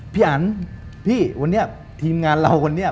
พี่อันพี่วันนี้ทีมงานเราวันนี้